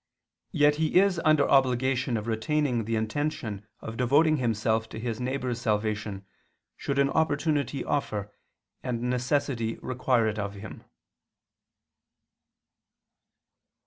Yet he is under the obligation of retaining the intention of devoting himself to his neighbor's salvation, should an opportunity offer, and necessity require it of him.